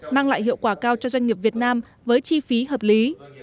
mang lại hiệu quả cao cho doanh nghiệp việt nam với chi phí hợp lý